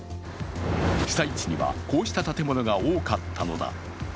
被災地には、こうした建物が多かったのだ。